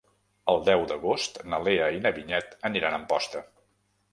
El deu d'agost na Lea i na Vinyet aniran a Amposta.